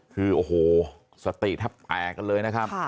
คือสติทัพแปลกเลย